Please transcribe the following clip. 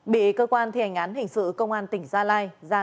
bị cơ quan thi hành án hình sự công an tỉnh gia lai ra